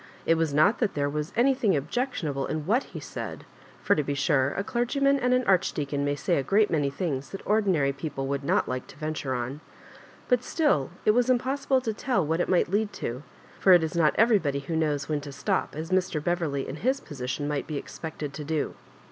It was not that there was anything objectionable in what he said — for, to be sure, a clergyman and an archdeacon may say a great many things that ordinary people would not like to venture on,— ^but still it was impossible to tell what it might lead to ; for it is not everybody who knows when to stop, as Mr. Beverley in his position might be expected to do.